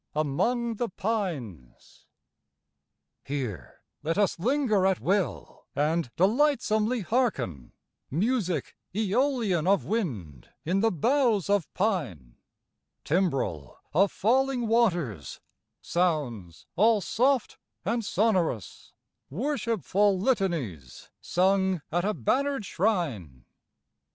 59 AMONG THE PINES Here let us linger at will and delightsomely hearken Music aeolian of wind in the boughs of pine, Timbrel of falling waters, sounds all soft and sonorous, Worshipful litanies sung at a bannered shrine.